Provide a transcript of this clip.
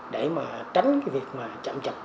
để tránh việc chậm chập